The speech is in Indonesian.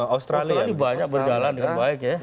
australia ini banyak berjalan dengan baik ya